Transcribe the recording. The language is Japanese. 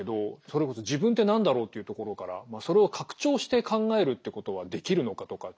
それこそ自分って何だろうっていうところからそれを拡張して考えるってことはできるのかとか。